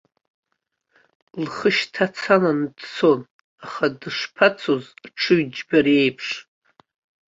Лхы шьҭацалан дцон, аха дышԥацоз, аҽыҩ џьбареиԥш.